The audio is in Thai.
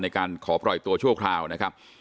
ในการขอปล่อยตัวชั่วคราวนะครับ